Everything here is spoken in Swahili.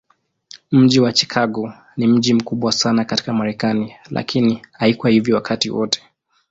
Mji wa Chicago ni mji mkubwa sana katika Marekani, lakini haikuwa hivyo wakati wote.